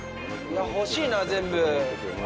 欲しいな、全部。